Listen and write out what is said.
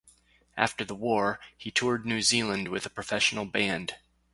After the war, he toured New Zealand with a professional band.